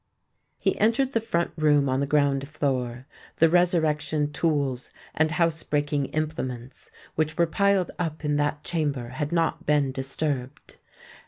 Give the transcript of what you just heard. He entered the front room on the ground floor: the resurrection tools and house breaking implements, which were piled up in that chamber, had not been disturbed.